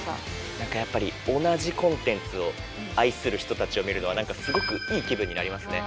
何かやっぱり同じコンテンツを愛する人たちを見るのはすごくいい気分になりますね。